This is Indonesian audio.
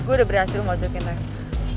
gue udah berhasil mojokin lagi